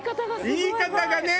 言い方がね！